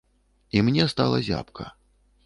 І мне стала зябка.